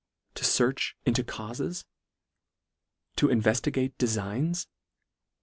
to fearch into caufes ? to inveftigate defigns ?